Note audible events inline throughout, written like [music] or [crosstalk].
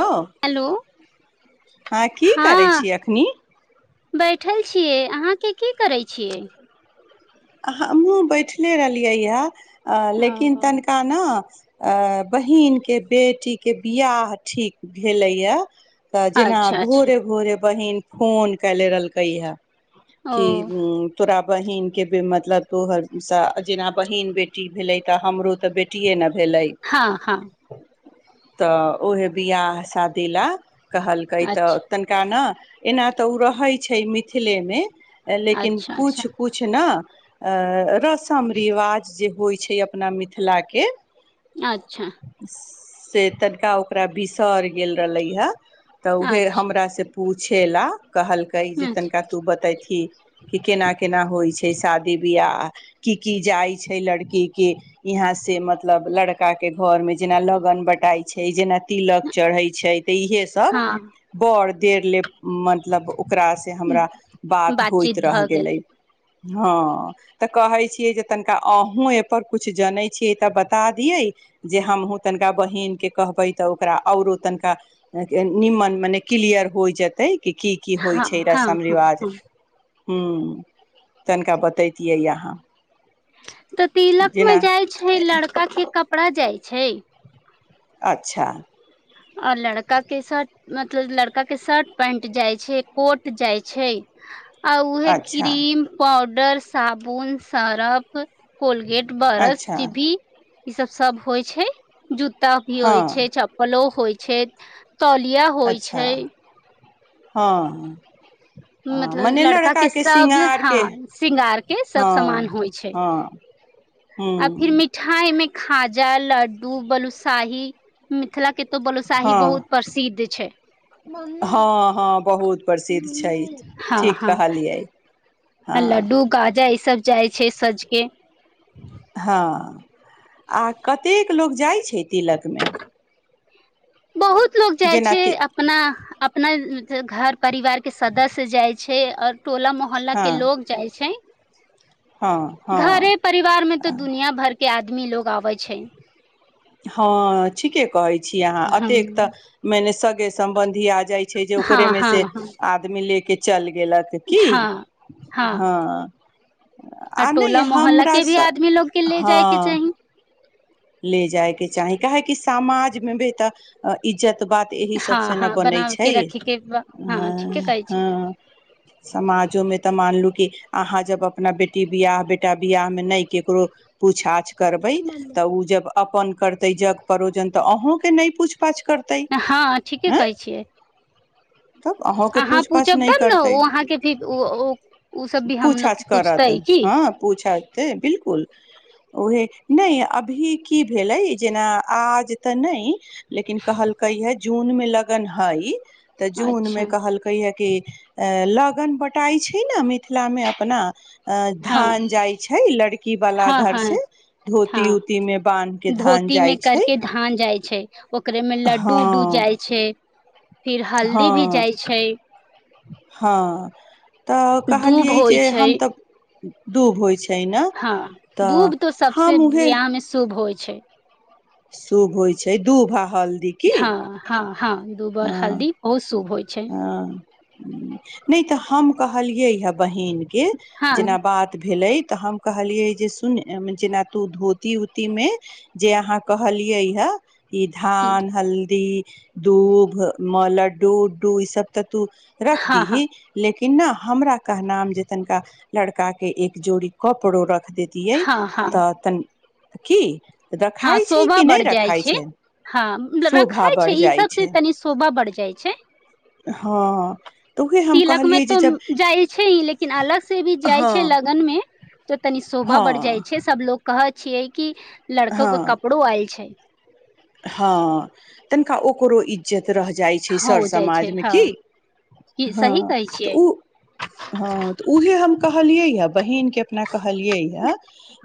Hello हँ की करै हँ छी एखनी बैठल छियै अहाँके की करै छियै हमहूँ बैठले रहलियैए लेकिन ओ तनिका ने बहीनके बेटीके वियाह ठीक भेलैए तऽ जेना अच्छा अच्छा भोरे भोरे बहिन फोन कै ले रहलकै हे ओ कि तोरा बहिन मतलब तो जेना बहिन बेटी भेले तऽ हमरो त बेटीए ने भेलै हँ हँ तऽ उहे बियाह शादी ला कहलकै तऽ अच्छा तनिका ने एना तऽ ओ रहैत छै मिथिलेमे लेकिन अच्छा अच्छा कुछ कुछ ने रसम रिवाज जे होइ छै अपना मिथिलाके अच्छा से तनिका ओकरा बिसरि गेल रहलै हे तऽ उएह अच्छा हमरासँ पूछेला कहलकै जे अच्छा तनिका तू बतैथिह कि केना केना होइ शादी बियाह की की जाइ छै लड़की के इहाँ से मतलब लड़का के घर मे जेना लगन बटाई छै जेना तिलक चढ़ै छै तऽ इहे सब हँ बर देर ले मतलब ओकरासँ हमरा बात बातचीत होइत भऽ रहि गेल गेलै हँ तऽ कहैत छियै जे तनिका अहूँ एहिपर किछु जनैत छियै तऽ बता दियै जे हमहूँ तनिका बहिीनके कहबै तऽ ओकरा आऔरो तनिका निमन मने क्लियर होय जेतै कि की की होइ हँ छै हँ रसम हँ रिवाज हँ हँ तनिका बतैतियै अहाँ तऽ तिलक मे जेना जाइ छै लड़का के कप कपड़ा जाइ छै अच्छा आओर लड़का के शर्ट मतलब लड़का के शर्ट पैंट जाइ छै कोट जाइ छै आउ उहे अच्छा क्रीम पौ डर साबुन सरफ कोलगेट बरस अच्छा जीभी ई सब सब होइ छै जूत आ भी हँ होइ छै चप्पलो होइ छै तौलिया होइ अच्छा छै हँ हँ मतलब मने लड़का के सब श्रृंगार के हँ शिंगार के सब हँ समान होइ छै हँ आ फिर हूँ मिठाइ मे खाजा लड्डू बलुसाही मिथिला के तो बलोसाही हँ बहुत प्रसिद्ध छै [inaudible] हँ हँ बहुत प्रसिद्ध छै हँ ठीक हँ कहलियै हँ लड्डू गाजा ई सब जाइ छै सझके हँ आ कतेक लोक जाइत छै तिलकमे बहुत लोग जाइ छै ति अपना अपना घर परिवार के सदस्य जाइ छै और टोला मोहल्ला हँ के लोग जाइ छै हँ हँ घरे परिवार मे तऽ दुनिया भर के आदमी लोग आबै छै हँ ठीके कहै छी अहां अतेक हम्म त' मने सगे संबंधी आ जाइ छै जे हँ ओकरेमे हँ से हँ आदमी लेके चल गेलथि की हँ हँ हं आ नै टोला मोहल्ला हमरा के भी स आदमी लोग के ले जाय के हं चाही ले जाएके चाहे काहे किस समाज मे भी तऽ इज्जत तऽ बात एहि हँ सबसँ न हँ बनै बना छै के अ रखे के बा। हँ ठीके अ कहै छी हं समाजोमे तऽ मान लू कि अहाँ जब अपना बेटी बियाह बेटा बियाहमे नहि केकरो पुछ आछ करबै उ जब अपन कर तै जग परोजन तऽ अहॅं के नहि पुछ हँ ठीके कहै छियै तब अहुँ के अहाँ पुछ पाछ पूछब नहि तब ने करतै ओ अहाँके भी ओ ओ ओ सब भी पुछ हमलोग आछ के करत पूछतै की हाँ पुछे अयतै की बिलकुल ओहे नहि अब अभी की भेलै जेना आज तऽ नहि लेकिन कहलकै हे जून मे लगन हइ तऽ जूनमे अच्छा कहलकै है कि अ लगन बटाइ छै ने मिथिलामे अपना अ हँ धान जाय छै लड़की वाला हँ घर हँ से हँ धोती उ तीमे बान्ह के धान धोती मे जाइ छै करके धान जाइ छै ओकरे में लड्डू हँ उड्डू जाइ छै फिर हँ हल्दी भी जाइ छै हँ तऽ दूब कहलियै होइ जे छै हम तऽ दूब होइ छै ने हँ तऽ दूध तो सबसे हम उहे बियाह मे शुभ होइ छै छै शुभ होइ छै दू भा हल्दी की हँ हँ हँ दूबर हँ हल्दी बहुत शुभ होइ छै हँ नहि तऽ हम कहलियै ह बहिन के हँ जेना बात भेले तऽ हम कहलियै जे सुून्य जेना तू धोती उतीमे जे अहाँ कहलियै हे ई की धान हल्दी दूब लड्डू उड्डू ई सब त तू रख हँ दी हँ ही लेकिन कि न हमरा कहनाम जे तनिका लड़का के एक जोड़ी कपड़ो र र दैतियै हँ हँ तऽ तन की हँ रखाइ छै शोभा कि नहि बढ़ जाइ रखाइ छै हँ शोभा रखाय छै बढ़ ई जाइ सबसँ छै तनी शोा ब जाइ छै हँ तऽ उहे हम तिलक मे कहलियै जे तऽ जब जाइ छै लेकिन अलग से भी जाइ छै हँ ल मे त तनी शोभा बढ़ जाइ हँ छै सब कह छियै कि एक हँ कपड़ो आयल छै हँ तनिका ओकरो इज्जत रह जाइ छै सर हो जाइ समाज छै मे हँ की की सही हाँ कहै छियै उ उहे हम कहलिए या बहिन के जेना कहलिय या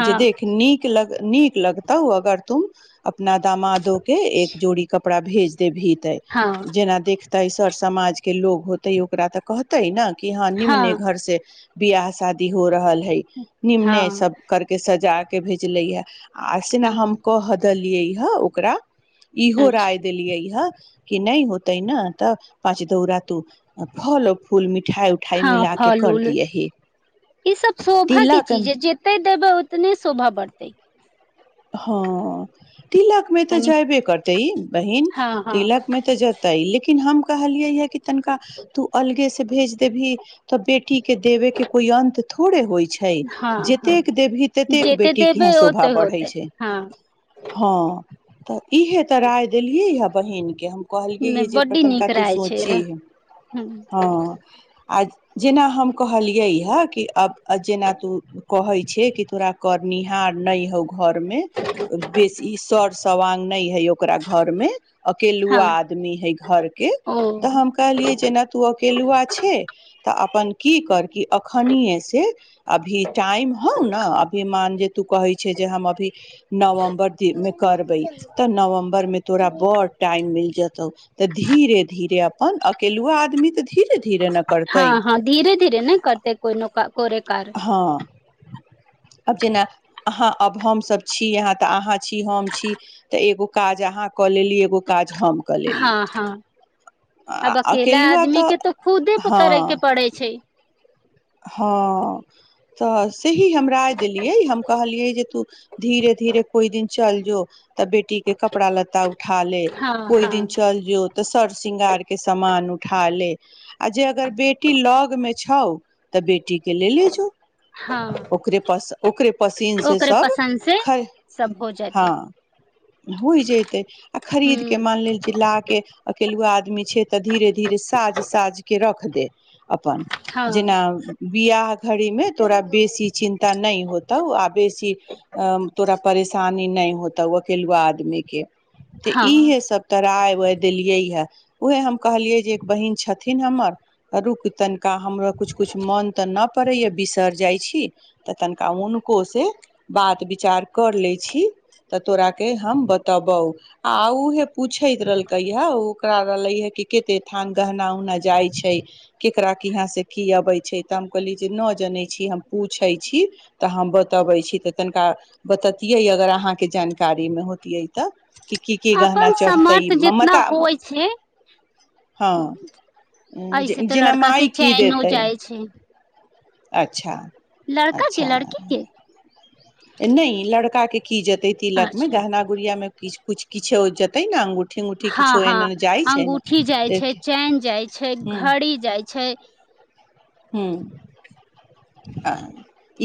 हँ देख नीक लगत नीक लगतौ अगर तुम अपना दामाद दोक एक जोड़ी कपड़ा कपड़ा भेज देबहिंन हँ जेना देख तेय सर समाजके लोग हेतय ओकरा तऽ कहतै ने कि हँ निम्ने घर से बआाह शादी हो रहल हइ निम्ने हँ सब करके सजा के भेजले या आसन हम हँ कह ह दलियै ह ओ ओकरा इहो अच्छा राय देलियै हे कि नहि होते न तऽ पाँच दो रातू फल फूल मि हँ फल उूल ईसभ शोभा तिलक चीज है जतेय देबै उतने शोभा बढ़तै हँ तिलक मे तऽ तनी जयबे करतै ई बहिन हँ हँ तिलक मे तऽ जतै लेकिन ल हम कहलियै ये तनखा तू अलगे से भेज दे भी तऽ बेटी के देबे के कोई अंत थोड़े होइ छै छै हँ हँ जतेक देवी ततेक जते बेटी के देबै यहा ओते शोभा बढ़े होते छै हँ हँ तऽ इहे तऽ राय देलियै ह बहिन के हम कहल जे बड्डी तनिका नीक तू रहै छै सोचह हँ हँ आ जेना हम कहलियै हँ कि अब जेना तू कहे छै कि तोरा करनिहार न होगो घरमे बेसी इ सर सवा नहि ओ घर हँ अकेलुआ आदमी ह घर तऽ ओ हम कहलियै जेना तू अकेलुआ छै तऽ अपन की करकि अखनि से अभी टाइम होउ ने अभी मान जे तू कहै छै जे हम अभी नवम्बर मे करबै तऽ नवम्बर मे तोरा बड़ टाइम मिल जेतौ तऽ धीरे धीरे हन अकेलूआ आदमी तऽ धीरे धीरे ने करतै हँ हँ धीरे धीरे नहि करते कोइ नक को हँ अब जेना अहाँ हम सब छी अहाँ अहाँ छी हम छी त एगो काज अहाँ कऽ लेली एगो क कऽ लेली हँ हँ आब अकेला अकेलुआ आदमी तऽ के खुदे प- हँ करे के पड़ै छै हँ तऽ त ही हम राय देलिये हम कहलिये जे तू धीरे धीरे कोई दिन चल जो तऽ बेटी के कपड़ा लत्ता उठा ले हँ कोई दिन हँ चल जो तऽ सरसृंगार के सामान उठा ले आ जे अगर बेटी लग में छै छौ तऽ बेटीके ले ले जो हँ ओकर ओकरे पसिनसँ ओकरे सब पसन्द से सब हो जेतै हँ हो जेतै आ खरीदके हूँ मान लेल ल अकेलूआ मे छै तऽ धीरे धीरे साज साज के रख दे अपन हँ जेना बिियाह घड़ी में तोरा बेसी चिन्ता नहि होतौ आ बेसी तोरा परेशान पानी नहि होता अकेेलुा आदमी के तऽ हँ इहे सब तरह आ उहे देलिय या हम कहलियै जे बहिन छथिन हमर रुक तनिका हमरो मौन तऽ नप मन नय परैय या बिसइर जय छी तनिका हुनकों से बात विचार कर लै छी तऽ तोरा के हम बतबौ आ उहे पूछैत रहलकै हा ओकरा रहले हे क केते थान गहना उहना जाय छै केकरा केहा से की अबे तऽ हम कहलियै जे नहि जनै छी हम पूछै छी तऽ हम बतबै छी तऽ तनिका ब यय अगर अहाँके जान कारी मे होती अै तऽ गहना अपन चढ़तै समर्थ जितना ममता होइ छै हँ ऐसे तऽ जेना लड़का के माइ की चैन हो देतै जाइ छै अच्छा लड़का के अच्छा लड़की के नहि लड़का के की जेते तिलक में अच्छा जहना गुड़िया मे किछु किछु किछ हो जेतै ने अंगूठ हँ हँ अगूठी जाइ छै देख चैन जाइ छै घड़ी जाइ छै ह्म आ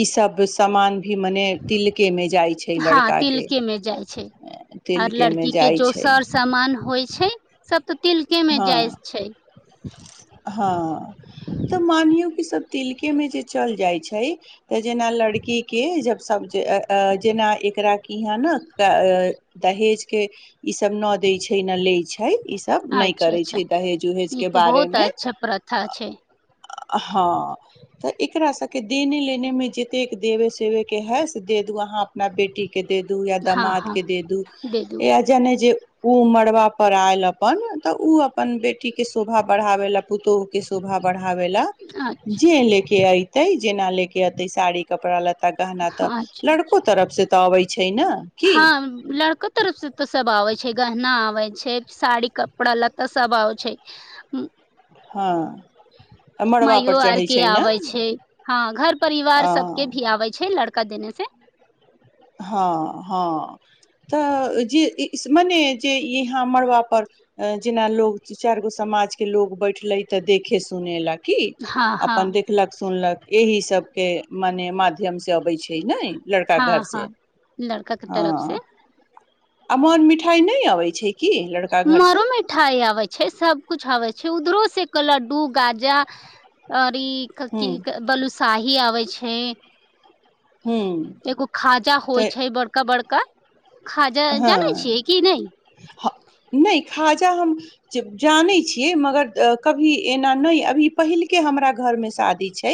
ईसब समान भी मने तिलकेमे जाइ छै हँ लड़काके तिलके मे जाइ आर लड़की के जो सर सामान होइ छै सब त हँ हँ तऽ मानौ कि सब तिलके चल जाइ छै त जेना लड़की के ज सब जेना एकरा इह ने दहेज के ईसभ न दैत छै न लैत छै छै इ सब नहि अच्छा करै अच्छा छै दहेज उहेज ई के तऽ बारे बहुत मे अच्छा प्रथा छै हँ तऽ एकरा सभके देने लेनेमे जतेक देबे सेवेके है से दे दू अहाँ अपना बेटीके के द दू या हँ हँ दामादके द दू दे दू इह जन जे ओ मड़बा पर आयल अपन तऽ उ अपन बेटी के शोभा बढ़ावे ला पुतोह के शोभा बढ़ ला अच्छा जे ले ते जेना ले के एते साड़ी कपड़ा लत्ते कहना तऽ अच्छा लड़को अच्छा तरफ से तबै छै ने की हँ लड़क तरफ से त सब आबै छै छै गहना आबै छै साड़ी कपड़ा लत्त सब आबै छै हँ मड़बा मइयो पर आर चढ़ै के छै ने आबे छै हँ घर परिवार अ सब के भी आबे छै लड़का देने से हँ हँ तऽ जे मने जे यहाँ मड़बापर जेना लोकोगू चारि गो समाजके लोक बैठलै तऽ देखे सुने लक की हँ हँ अपन देखलक सुनलक एहि सब के मने माध्यम से अबै छै नै लड़का हँ घर हँ से लड़का के तरफ से आमर मिठाइ नहि अबै छै की लड़का घर से मरो मिठाइ आबैय छै सबकुछ आबैय छै उधरो से लड्डू गाजा अ की क हूँ की बलुसाही भी आबै छै हूँ एगो खाजा तऽ होइ छै बड़का बड़का खाजा जानै हँ छियै कि नहि नहि खा बच्चा हम जानै छियै मगर कभी एना नहि अभी पहिलके हमरा घर मे शादी छै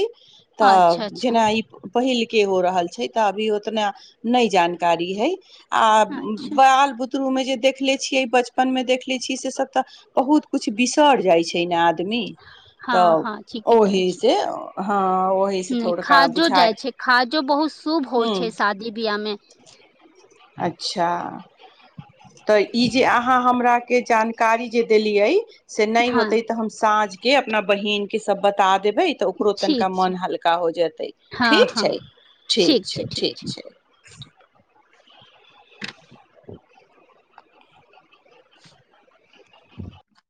तऽ अच्छा अच्छा जेना ई पहिल के हो रहल छै तऽ अभी ओतना नहि जानकारी है आ अच्छा बाल बुत ुु में जे देखले छियै बचपन में देखले छियै से सब तऽ बहुत कुछ बिसर जाइ छै ने आदमी पत्म हँ तऽ हँ ठीके कहै ओही छी से हँ ओहि से नहि थोड़का खाजो बुझाय जाइ छै खाजो बहुत शुभ ह होइ छै शादी बियाहमे अच्छा तऽ जे अहाँ हम के जानकारी जे देलियै से नहि हँ होते तऽ हम साँझ य अपना बहिन के सब बता दे ब तऽ ओकरो तनिका ठीक मोन छै हल्का हो जेतै हँ ठीक हँ छै ठीक छै ठीक छै [inaudible]